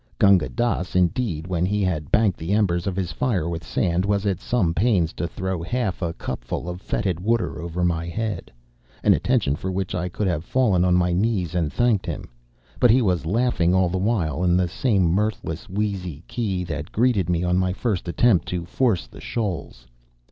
Gunga Dass, indeed, when he had banked the embers of his fire with sand, was at some pains to throw half a cupful of fetid water over my head, an attention for which I could have fallen on my knees and thanked him, but he was laughing all the while in the same mirthless, wheezy key that greeted me on my first attempt to force the shoals.